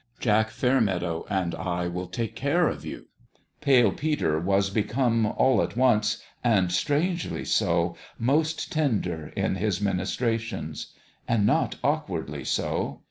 Jack Fairmeadow and I will take care of you" Pale Peter was become all at once and strangely so most tender in his ministrations. And not awkwardly so.